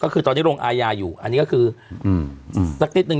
ก็คือตอนที่โรงอายาอยู่อันนี้ก็คือสติดหนึ่ง